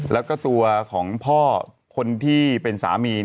แล้วก็ตัวของพ่อคนที่เป็นสามี